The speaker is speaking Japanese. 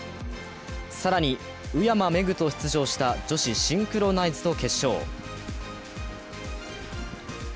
更に、宇山芽紅と出場した女子シンクロナイズド決勝。